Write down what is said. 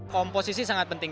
komposisi sangat penting